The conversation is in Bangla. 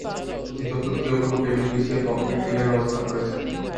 অতি চতুর কেউ কেউ টেবিল বিছিয়ে ব্লক প্রিন্টিংয়ের ব্যবস্থা করেছেন।